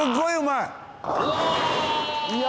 いや！